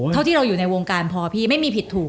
เท่าที่เราอยู่ในวงการพอพี่ไม่มีผิดถูก